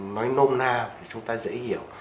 nói nôn na thì chúng ta dễ hiểu